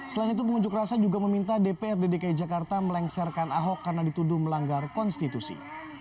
selain itu pengunjuk rasa juga meminta dprd dki jakarta melengsarkan ahok karena dituduh melanggar konstitusi